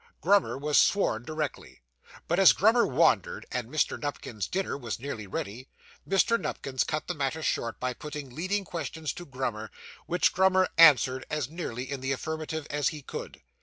Grummer was sworn directly; but as Grummer wandered, and Mr. Nupkins's dinner was nearly ready, Mr. Nupkins cut the matter short, by putting leading questions to Grummer, which Grummer answered as nearly in the affirmative as he could.